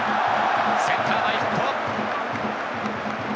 センター前ヒット。